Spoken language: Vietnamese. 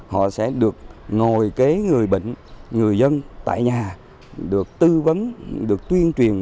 họ sẽ được ngồi kế người bệnh người dân tại nhà được tư vấn được tuyên truyền